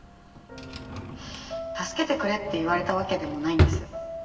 「助けてくれ」って言われたわけでもないんです。